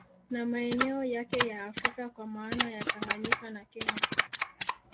Na maeneo yake ya Afrika kwa maana ya Tanganyika na Kenya